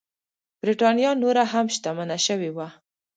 برېټانیا نوره هم شتمنه شوې وه.